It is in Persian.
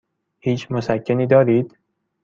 هیچ مسکنی دارید؟